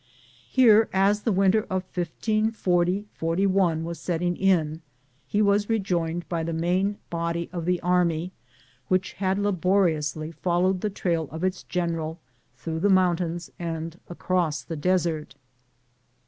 Here, as the winter of 1540 41 was setting in, he was rejoined by the main body of the army, which had laboriously followed the trail of ., .Google INTRODUCTION its general through the mountains and across the desert.